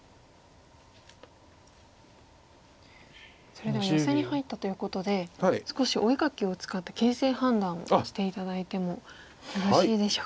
それではヨセに入ったということで少しお絵描きを使って形勢判断をして頂いてもよろしいでしょうか。